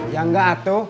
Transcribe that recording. ya enggak atuh